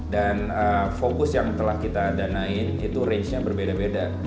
dan fokus yang telah kita danain itu rangenya berbeda beda